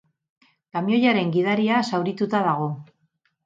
Kamioiaren gidaria zaurituta dago.